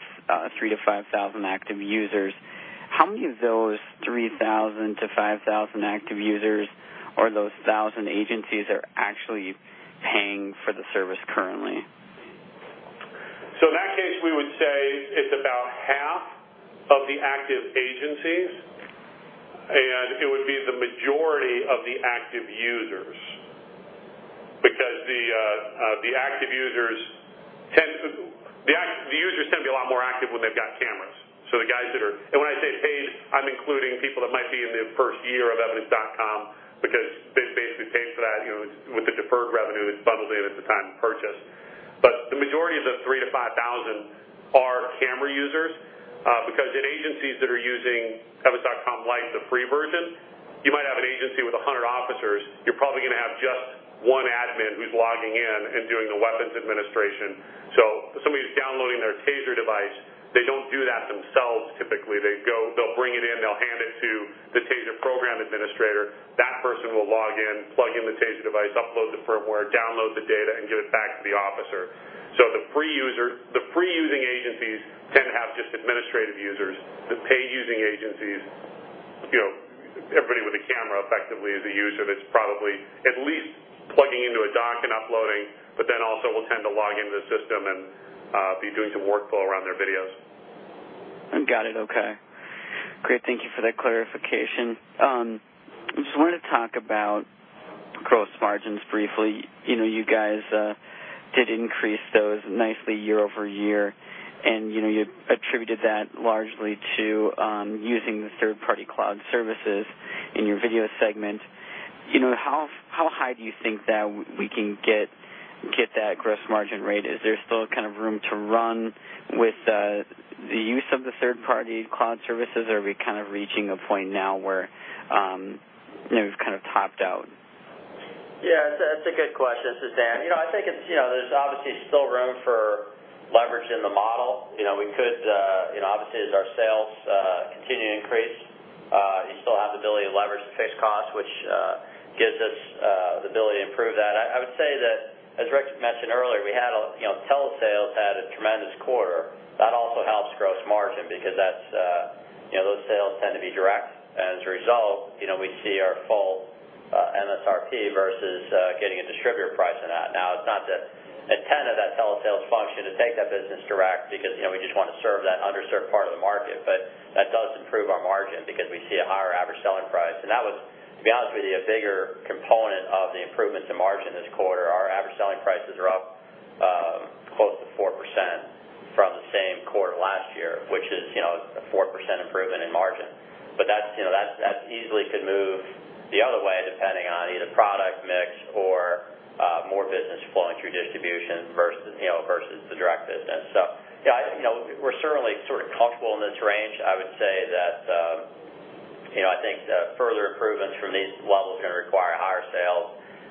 3,000 to 5,000 active users. How many of those 3,000 to 5,000 active users or those 1,000 agencies are actually paying for the service currently? In that case, we would say it's about half of the active agencies, and it would be the majority of the active users. The users tend to be a lot more active when they've got cameras. When I say paid, I'm including people that might be in the first year of Evidence.com because they've basically paid for that with the deferred revenue that's bundled in at the time of purchase. The majority of the 3,000 to 5,000 are camera users, because in agencies that are using Evidence.com Lite, the free version, you might have an agency with 100 officers. You're probably going to have just one admin who's logging in and doing the weapons administration. Somebody who's downloading their TASER device, they don't do that themselves, typically. They'll bring it in, they'll hand it to the TASER program administrator. That person will log in, plug in the TASER device, upload the firmware, download the data, and give it back to the officer. The free using agencies tend to have just administrative users. The paid using agencies, everybody with a camera effectively is a user that's probably at least plugging into a dock and uploading, but then also will tend to log into the system and be doing some workflow around their videos. Got it. Okay. Great. Thank you for that clarification. I just wanted to talk about gross margins briefly. You guys did increase those nicely year-over-year, and you attributed that largely to using the third-party cloud services in your video segment. How high do you think that we can get that gross margin rate? Is there still room to run with the use of the third-party cloud services, or are we reaching a point now where we've kind of topped out? Yeah, that's a good question, Suzanne. I think there's obviously still room for leverage in the model. Obviously, as our sales continue to increase, you still have the ability to leverage the fixed costs, which gives us the ability to improve that. I would say that, as Rick mentioned earlier, telesales had a tremendous quarter. That also helps gross margin because those sales tend to be direct, and as a result, we see our full MSRP versus getting a distributor price on that. It's not to intend that telesales function to take that business direct, because we just want to serve that underserved part of the market. That does improve our margin because we see a higher average selling price. That was, to be honest with you, a bigger component of the improvements in margin this quarter. Our average selling prices are up close to 4% from the same quarter last year, which is a 4% improvement in margin. That easily could move the other way, depending on either product mix or more business flowing through distribution versus the direct business. We're certainly sort of comfortable in this range. I would say that I think the further improvements from these levels are going to require higher sales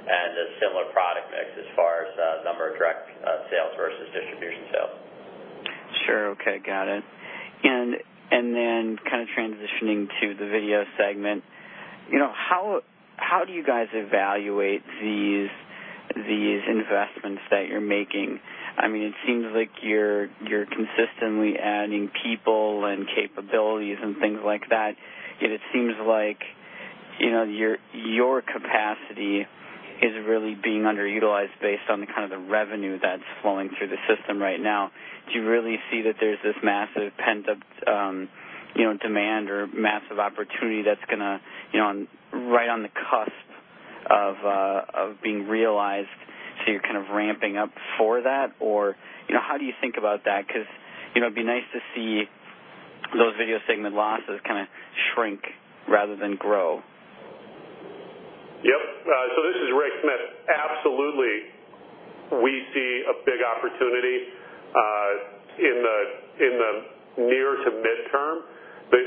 and a similar product mix as far as number of direct sales versus distribution sales. Sure. Okay. Got it. Then kind of transitioning to the video segment, how do you guys evaluate these investments that you're making? It seems like you're consistently adding people and capabilities and things like that, yet it seems like your capacity is really being underutilized based on the revenue that's flowing through the system right now. Do you really see that there's this massive pent-up demand or massive opportunity that's right on the cusp of being realized, so you're kind of ramping up for that? How do you think about that? It'd be nice to see those video segment losses kind of shrink rather than grow. Yep. This is Rick Smith. Absolutely, we see a big opportunity in the near to midterm. The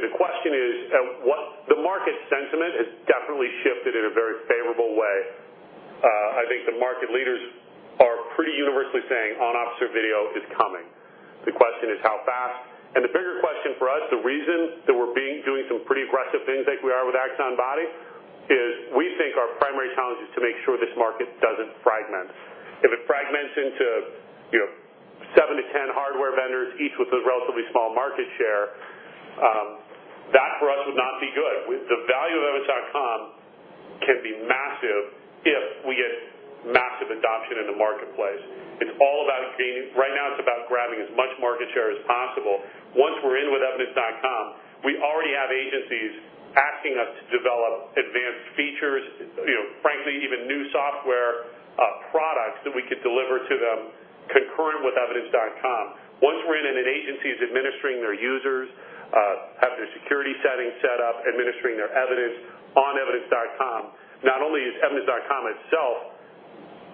market sentiment has definitely shifted in a very favorable way. I think the market leaders are pretty universally saying on-officer video is coming. The question is how fast, and the bigger question for us, the reason that we're doing some pretty aggressive things like we are with Axon Body, is we think our primary challenge is to make sure this market doesn't fragment. If it fragments into seven to 10 hardware vendors, each with a relatively small market share, that for us would not be good. The value of evidence.com can be massive if we get massive adoption in the marketplace. Right now, it's about grabbing as much market share as possible. Once we're in with Evidence.com, we already have agencies asking us to develop advanced features, frankly, even new software products that we could deliver to them concurrent with Evidence.com. Once we're in and an agency's administering their users, have their security settings set up, administering their evidence on Evidence.com, not only is Evidence.com itself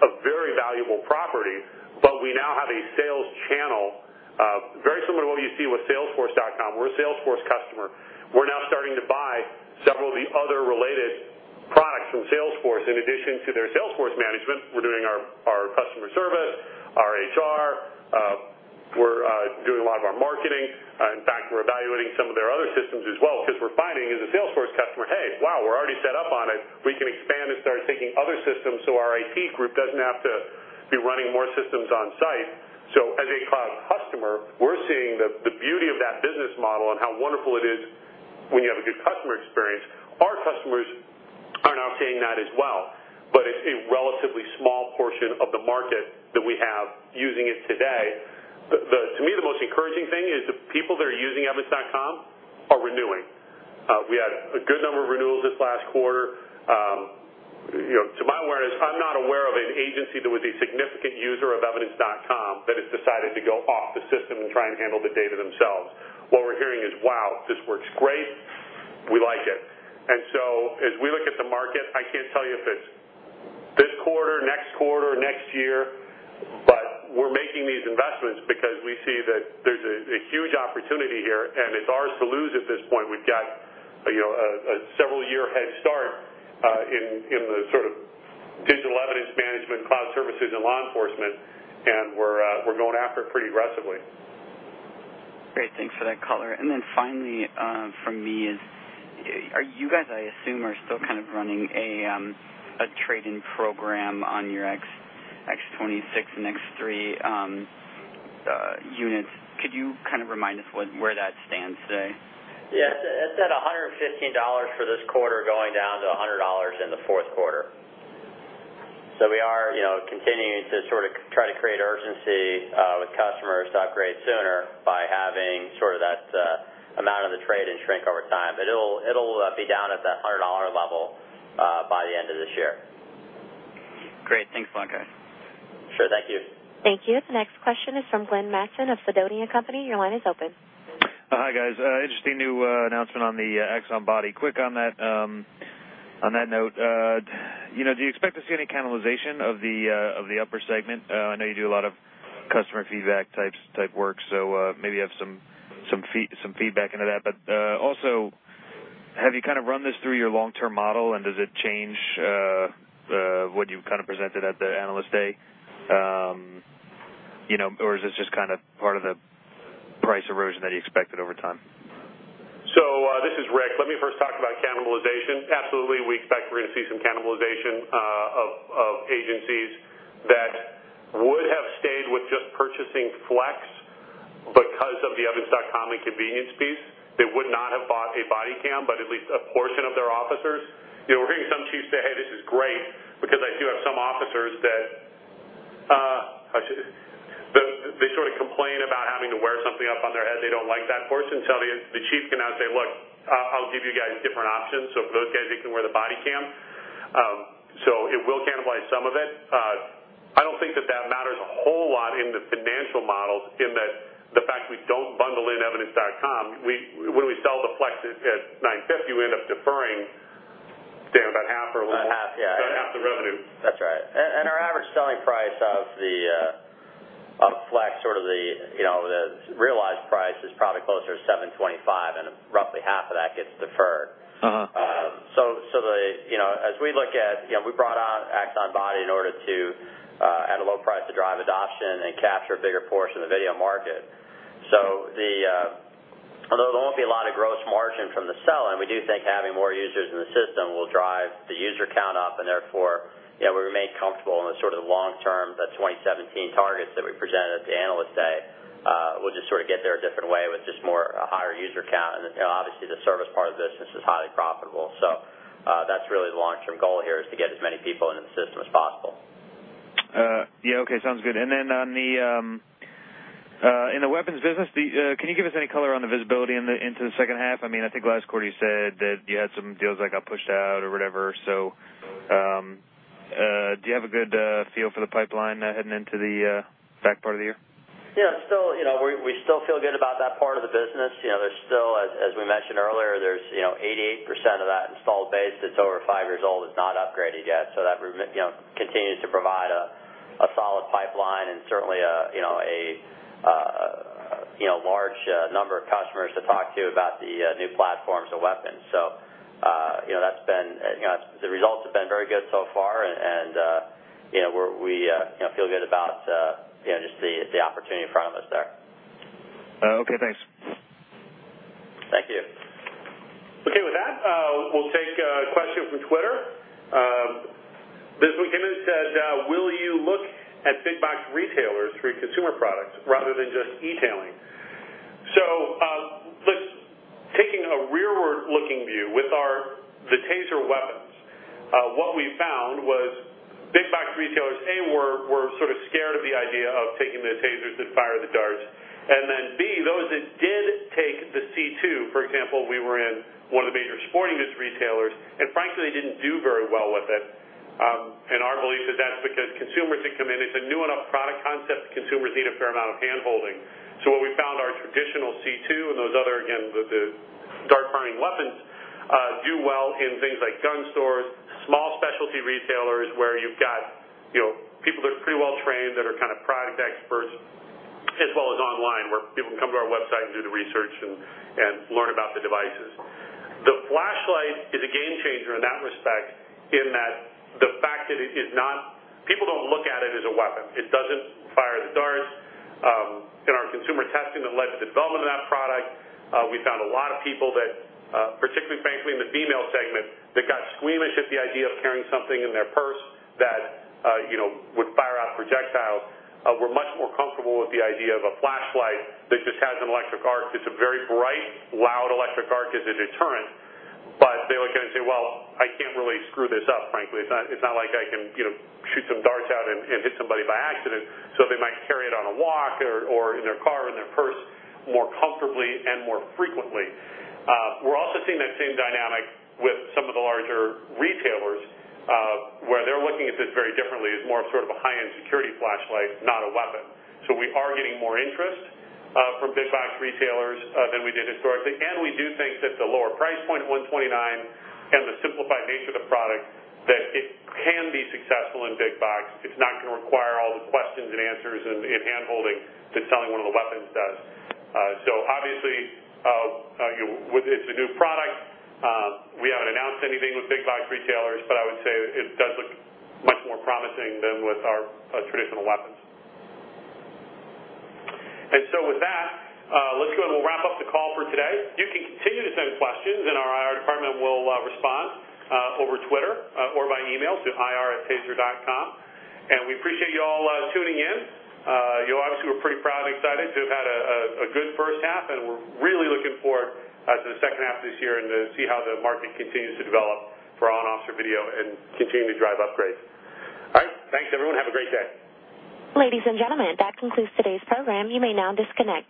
a very valuable property, but we now have a sales channel very similar to what you see with salesforce.com. We're a Salesforce customer. We're now starting to buy several of the other related products from Salesforce. In addition to their Salesforce management, we're doing our customer service, our HR. We're doing a lot of our marketing. In fact, we're evaluating some of their other systems as well because we're finding as a Salesforce customer, hey, wow, we're already set up on it. We can expand and start taking other systems so our IT group doesn't have to be running more systems on-site. As a cloud customer, we're seeing the beauty of that business model and how wonderful it is when you have a good customer experience. Our customers are now seeing that as well, but it's a relatively small portion of the market that we have using it today. To me, the most encouraging thing is the people that are using Evidence.com are renewing. We had a good number of renewals this last quarter. To my awareness, I'm not aware of an agency that was a significant user of Evidence.com that has decided to go off the system and try and handle the data themselves. What we're hearing is, "Wow, this works great." We like it. As we look at the market, I can't tell you if it's this quarter, next quarter, next year, but we're making these investments because we see that there's a huge opportunity here, and it's ours to lose at this point. We've got a several-year head start in the digital evidence management, cloud services, and law enforcement, and we're going after it pretty aggressively. Great. Thanks for that color. Finally from me is, are you guys, I assume, are still kind of running a trade-in program on your X26 and X3 units? Could you kind of remind us where that stands today? Yes. It's at $115 for this quarter, going down to $100 in the fourth quarter. We are continuing to sort of try to create urgency with customers to upgrade sooner by having sort of that amount of the trade-in shrink over time. It'll be down at that $100 level by the end of this year. Great. Thanks, Dan. Sure. Thank you. Thank you. The next question is from Glenn Mattson of Sidoti & Company. Your line is open. Hi, guys. Interesting new announcement on the Axon Body. Quick on that note, do you expect to see any cannibalization of the upper segment? I know you do a lot of customer feedback-type work, so maybe you have some feedback into that. Also, have you kind of run this through your long-term model, and does it change what you've kind of presented at the Analyst Day? Is this just kind of part of the price erosion that you expected over time? This is Rick. Let me first talk about cannibalization. Absolutely, we expect we're going to see some cannibalization of agencies that would have stayed with just purchasing Flex because of the Evidence.com and convenience piece. They would not have bought a body cam, but at least a portion of their officers. We're hearing some chiefs say, "Hey, this is great, because I do have some officers that sort of complain about having to wear something up on their head. They don't like that portion." The chief can now say, "Look, I'll give you guys different options." For those guys, they can wear the body cam. It will cannibalize some of it. I don't think that that matters a whole lot in the financial models in that the fact we don't bundle in Evidence.com, when we sell the Flex at $950, we end up deferring down about half or a little more. About half, yeah. About half the revenue. That's right. Our average selling price of Flex, sort of the realized price, is probably closer to $725, and roughly half of that gets deferred. As we look at, we brought out Axon Body in order to, at a low price, to drive adoption and capture a bigger portion of the video market. Although there won't be a lot of gross margin from the sell-in, we do think having more users in the system will drive the user count up, therefore, we remain comfortable in the sort of long-term, the 2017 targets that we presented at the Analyst Day. We'll just sort of get there a different way with just a higher user count. Obviously, the service part of the business is highly profitable. That's really the long-term goal here, is to get as many people into the system as possible. In the weapons business, can you give us any color on the visibility into the second half? I think last quarter you said that you had some deals that got pushed out or whatever. Do you have a good feel for the pipeline heading into the back part of the year? Yeah. We still feel good about that part of the business. There's still, as we mentioned earlier, there's 88% of that installed base that's over five years old that's not upgraded yet. That continues to provide a solid pipeline and certainly a large number of customers to talk to about the new platforms of weapons. The results have been very good so far, and we feel good about just the opportunity in front of us there. Okay. Thanks. Thank you. With that, we'll take a question from Twitter. This one came in. It says, "Will you look at big box retailers for your consumer products rather than just e-tailing?" Taking a rearward-looking view with the TASER weapons, what we found was big box retailers, A, were sort of scared of the idea of taking the TASERs that fire the darts, and then B, those that did take the C2, for example, we were in one of the major sporting goods retailers, and frankly didn't do very well with it. Our belief is that's because consumers that come in, it's a new enough product concept that consumers need a fair amount of hand-holding. What we found, our traditional C2 and those other, again, the dart-firing weapons, do well in things like gun stores, small specialty retailers where you've got people that are pretty well trained, that are kind of product experts, as well as online, where people can come to our website and do the research and learn about the devices. The flashlight is a game changer in that respect, in that the fact that people don't look at it as a weapon. It doesn't fire the darts. In our consumer testing that led to the development of that product, we found a lot of people that, particularly, frankly, in the female segment, that got squeamish at the idea of carrying something in their purse that would fire out projectiles, were much more comfortable with the idea of a flashlight that just has an electric arc. It's a very bright, loud electric arc as a deterrent. They look at it and say, "Well, I can't really screw this up, frankly. It's not like I can shoot some darts out and hit somebody by accident." They might carry it on a walk or in their car, in their purse more comfortably and more frequently. We're also seeing that same dynamic with some of the larger retailers, where they're looking at this very differently as more of sort of a high-end security flashlight, not a weapon. We are getting more interest from big box retailers than we did historically. We do think that the lower price point, $129, and the simplified nature of the product, that it can be successful in big box. It's not going to require all the questions and answers and hand-holding that selling one of the weapons does. Obviously, it's a new product. We haven't announced anything with big box retailers, but I would say it does look much more promising than with our traditional weapons. With that, let's go and we'll wrap up the call for today. You can continue to send questions, and our IR department will respond over Twitter or by email to ir@taser.com. We appreciate you all tuning in. Obviously, we're pretty proud and excited to have had a good first half, and we're really looking forward to the second half of this year and to see how the market continues to develop for on-officer video and continue to drive upgrades. All right. Thanks, everyone. Have a great day. Ladies and gentlemen, that concludes today's program. You may now disconnect.